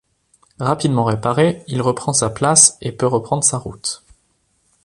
Rapidement réparé, il reprend sa place et peut reprendre sa route.